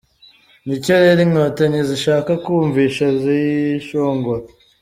Ni icyo rero Inkotanyi zishaka kwumvisha zishongora…